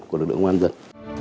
của lực lượng ngoan dân